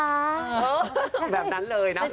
เออแบบนั้นเลยนะครับ